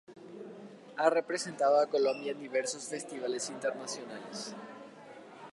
Ha representado a Colombia en diversos Festivales Internacionales.